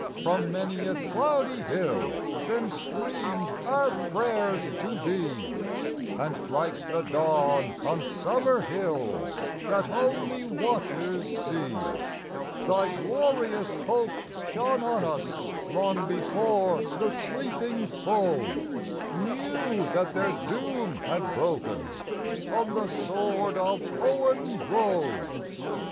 from many a cloudy hill then streamed our prayers to Thee, And like the dawn on summer hills, that only watchers see, Thy glorious hope shone on us long before the sleeping foe Knew that their doom had broken on the sword of Owen Roe.